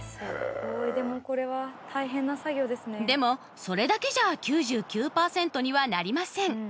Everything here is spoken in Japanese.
でもそれだけじゃあ９９％にはなりません